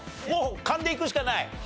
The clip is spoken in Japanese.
もう勘でいくしかない？